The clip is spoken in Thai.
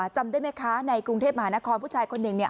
จำได้ไหมคะในกรุงเทพมหานครผู้ชายคนหนึ่งเนี่ย